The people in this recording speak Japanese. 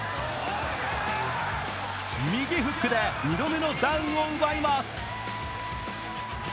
右フックで２度目のダウンを奪います。